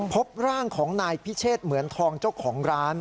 พบร่างของนายพิเชษเหมือนทองเจ้าของร้าน